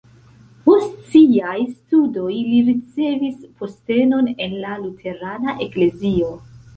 Post siaj studoj li ricevis postenon en la luterana eklezio.